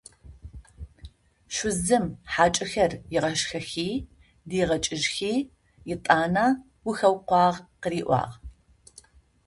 Шъузым хьакӏэхэр ыгъашхэхи, дигъэкӏыжьхи, етӏанэ «ухэукъуагъ!» къыриӏуагъ.